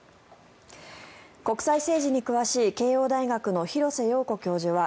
国際政治に詳しい慶應大学の廣瀬陽子教授は